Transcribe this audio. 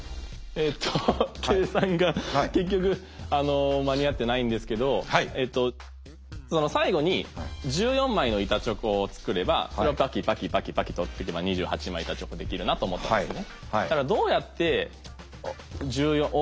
えっと計算が結局間に合ってないんですけどその最後に１４枚の板チョコを作ればそれをパキパキパキパキと折っていけば２８枚板チョコできるなと思ったんですね。